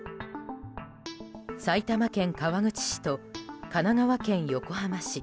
埼玉県川口市と神奈川県横浜市。